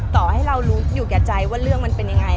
ต่อให้เรารู้อยู่แก่ใจว่าเรื่องมันเป็นยังไง